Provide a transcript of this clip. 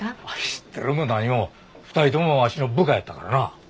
知ってるも何も２人ともわしの部下やったからな。